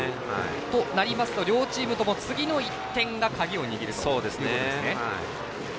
となりますと両チームとも次の１点が鍵を握るということですね。